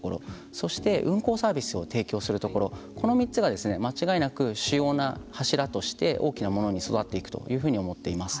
そして運航サービスを提供するところこの３つが間違いなく主要な柱として大きなものに育っていくというふうに思っています。